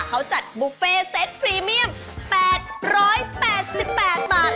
เขาจัดบุฟเฟ่เซ็ตพรีเมียม๘๘บาท